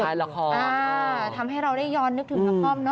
รายละครอ๋อทำให้เราได้ย้อนนึกถึงนาคอมเนอะ